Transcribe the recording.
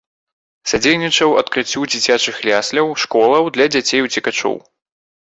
Садзейнічаў адкрыццю дзіцячых ясляў, школаў для дзяцей уцекачоў.